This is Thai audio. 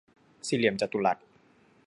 สี่เหลี่ยมจตุรัส